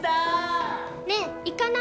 ねえ行かない？